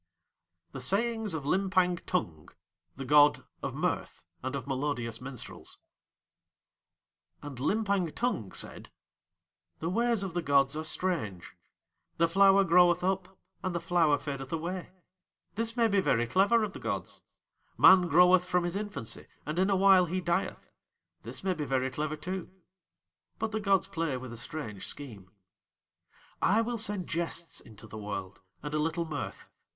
THE SAYINGS OF LIMPANG TUNG (The God of Mirth and of Melodious Minstrels) And Limpang Tung said: "The ways of the gods are strange. The flower groweth up and the flower fadeth away. This may be very clever of the gods. Man groweth from his infancy, and in a while he dieth. This may be very clever too. "But the gods play with a strange scheme. "I will send jests into the world and a little mirth.